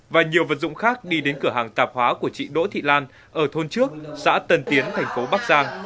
và nhiều vật dụng khác đi đến cửa hàng tạp hóa của chị đỗ thị lan ở thôn trước xã tân tiến thành phố bắc giang